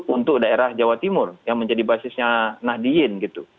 untuk daerah jawa timur yang menjadi basisnya nahdlin